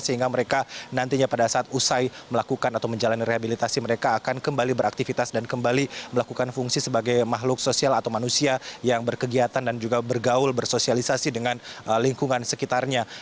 sehingga mereka nantinya pada saat usai melakukan atau menjalani rehabilitasi mereka akan kembali beraktivitas dan kembali melakukan fungsi sebagai makhluk sosial atau manusia yang berkegiatan dan juga bergaul bersosialisasi dengan lingkungan sekitarnya